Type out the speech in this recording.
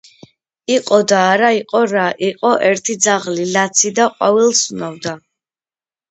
იყო და არა იყო რა იყო ერთი ძაღლი ლაცი და ყვავილს სუნავდა